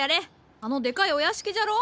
あのでかいお屋敷じゃろう？